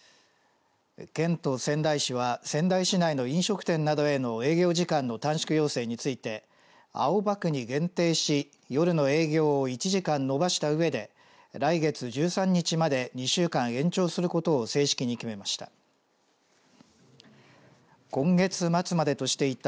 県と仙台市は仙台市内の飲食店などへの営業時間の短縮要請について青葉区に限定し夜の営業を１時間延ばしたうえで来月１３日まで２週間延長することを正式に決めました。